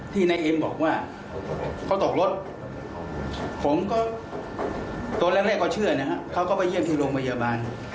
นายเอ็มบอกว่าเขาตกรถผมก็ตอนแรกก็เชื่อนะฮะเขาก็ไปเยี่ยมที่โรงพยาบาล